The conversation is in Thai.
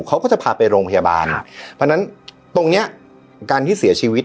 เขาก็จะพาไปโรงพยาบาลเพราะฉะนั้นตรงเนี้ยการที่เสียชีวิต